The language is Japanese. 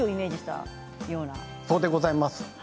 そうでございます。